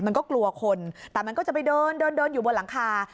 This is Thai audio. มันก็กลัวคนแต่มันก็จะไปเดินเดินอยู่บนหลังคา